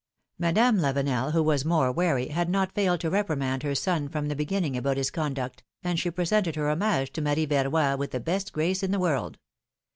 Madame Lavenel, who was more wary, had not failed to reprimand her son from the beginning about his con duct, and she presented her homages to Marie Verroy with the best grace in the world.